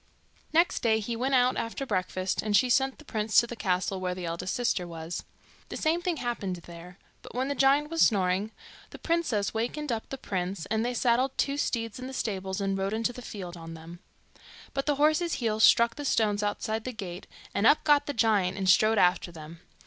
Next day, he went out after breakfast, and she sent the prince to the castle where the eldest sister was. The same thing happened there; but when the giant was snoring, the princess wakened up the prince, and they saddled two steeds in the stables and rode into the field on them. But the horses' heels struck the stones outside the gate, and up got the giant and strode after them.